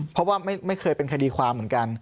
เพราะว่าไม่เคยเป็นคดีความเหมือนกัน